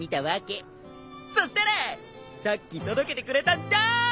そしたらさっき届けてくれたんだ！